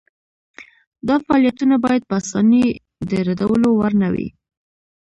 دا فعالیتونه باید په اسانۍ د ردولو وړ نه وي.